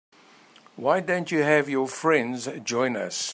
Why don't you have your friends join us?